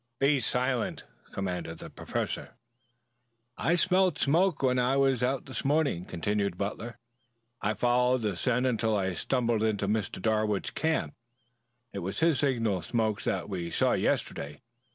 "Be silent," commanded the Professor. "I smelled smoke when I was out this morning," continued Butler. "I followed the scent until I stumbled into Mr. Darwood's camp. It was his signal smokes that we saw yesterday.